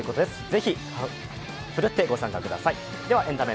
ぜひ、ふるってご参加ください。